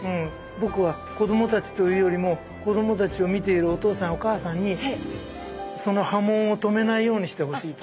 僕は子どもたちというよりも子どもたちを見ているお父さんやお母さんにその波紋を止めないようにしてほしいと思う。